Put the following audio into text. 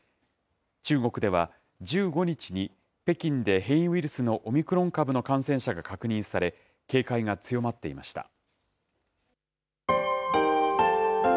中国では、１５日に北京で変異ウイルスのオミクロン株の感染者が確認され、警戒が強まっていました。